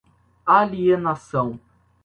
alienação